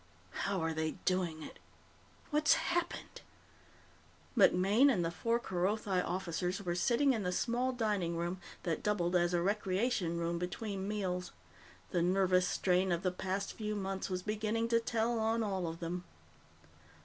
How are they doing it? What's happened?" MacMaine and the four Kerothi officers were sitting in the small dining room that doubled as a recreation room between meals. The nervous strain of the past few months was beginning to tell on all of them.